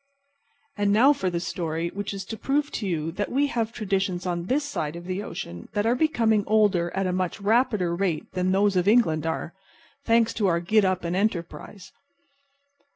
And now for the story which is to prove to you that we have traditions on this side of the ocean that are becoming older at a much rapider rate than those of England are—thanks to our git up and enterprise.